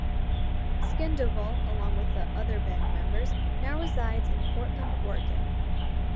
Sandoval, along with other band members, now resides in Portland, Oregon.